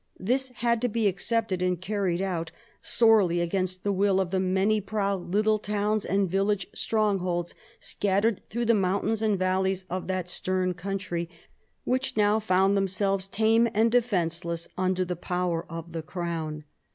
This had to be accepted and carried out, sorely against the will of the many proud little towns and village strongholds scattered through the mountains and valleys of that stern country, which now found themselves tame and defenceless under the power of the Crown.